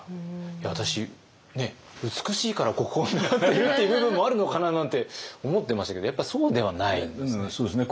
いや私美しいから国宝になっているっていう部分もあるのかななんて思ってましたけどやっぱそうではないんですね。